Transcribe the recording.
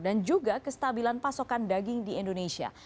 dan juga kestabilan pasokan daging di indonesia